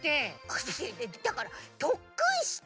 だからとっくんして！